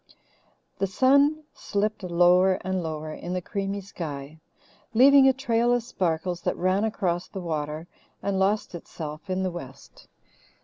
The sun slipped lower and lower in the creamy sky, leaving a trail of sparkles that ran across the water and lost itself in the west.